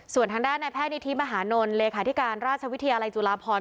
ส่วนทางด้านในแพทย์นิธิมหานลเลขาธิการราชวิทยาลัยจุฬาพร